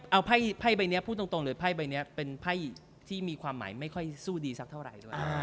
เอาไพ่ใบนี้พูดตรงเลยไพ่ใบนี้เป็นไพ่ที่มีความหมายไม่ค่อยสู้ดีสักเท่าไหร่ด้วย